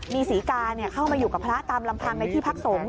มีศรีกาเข้ามาอยู่กับพระตามลำพังในที่พักสงฆ